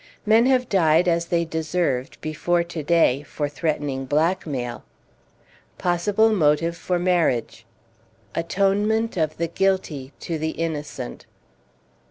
Men have died as they deserved before to day for threatening blackmail. Possible Motive for Marriage Atonement of the Guilty to the Innocent.